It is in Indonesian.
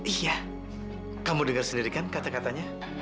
iya kamu dengar sendiri kan kata katanya